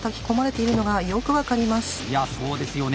いやそうですよね。